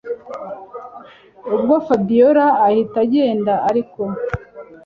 ubwo fabiora ahita agenda ariko